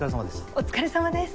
お疲れさまです。